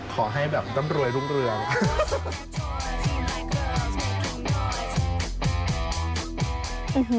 ขอให้แบบร่ำรวยรุ่งเรือง